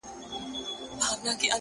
جادوگري جادوگر دي اموخته کړم،